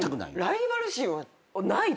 ライバル心はないです